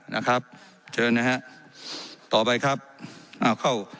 นะครับเชิญนะฮะต่อไปครับอ้าวเข้า